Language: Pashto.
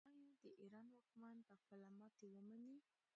آیا د ایران واکمن به خپله ماتې ومني؟